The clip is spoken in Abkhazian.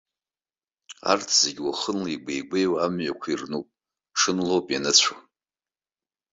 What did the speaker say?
Арҭ зегьы уахынла игәеигәеиуа амҩақәа ирнуп, ҽынлоуп ианыцәо.